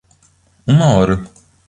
Uma hora.